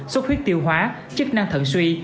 sốt huyết tiêu hóa chức năng thận suy